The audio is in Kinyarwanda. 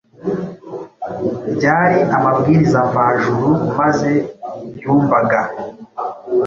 ryari amabwiriza mvajuru maze yumvaga